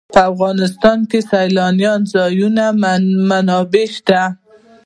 په افغانستان کې د سیلانی ځایونه منابع شته.